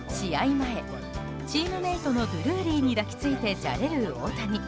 前、チームメートのドゥルーリーに抱きついてじゃれる大谷。